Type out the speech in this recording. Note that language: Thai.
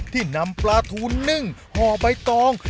ที่นำปลาทูนนึ่งห่อใบตอง